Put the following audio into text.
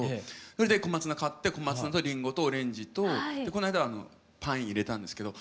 それで小松菜買って小松菜とリンゴとオレンジとこの間はパイン入れたんですけど。